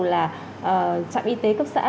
là trạm y tế cấp xã